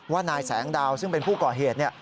ว่านายแสงดาวซึ่งเป็นผู้ก่อเหตุเนี่ย